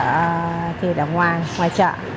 chợ thịt ở ngoài ngoài chợ